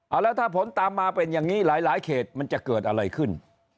แล้วถ้าผลตามมาเป็นอย่างนี้หลายเขตมันจะเกิดอะไรขึ้น